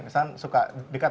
misalnya suka dekat